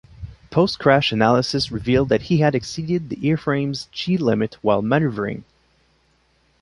Post-crash analysis revealed that he had exceeded the airframe's G limit while maneuvering.